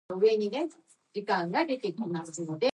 He seldom attended the House due to ill health.